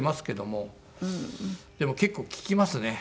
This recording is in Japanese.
でも結構効きますね。